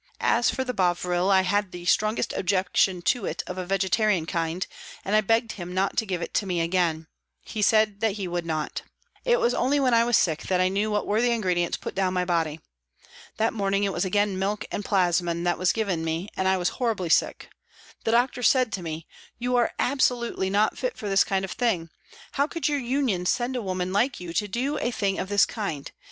As for the bovril, I had the strongest objection to it of a vegetarian kind, and I begged him not to give it to me again ; he said he would not. It was only when I was sick that I knew what were the ingredients put down my body. That morning it was again milk and plasmon that was given me, and I was horribly sick. The doctor said to me, " You are absolutely not fit for this kind of thing. How could your Union send a woman like you to do a thing of this kind